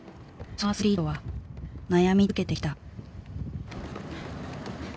そのアスリートは悩み続けてきた。